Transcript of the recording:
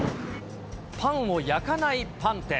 パンを焼かないパン店。